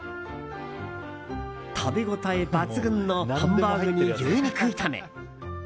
食べ応え抜群のハンバーグに牛肉炒め。